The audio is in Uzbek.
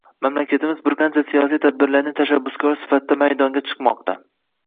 Mamlakatimiz bir qancha siyosiy tadbirlarning tashabbuskori sifatida maydonga chiqmoqda.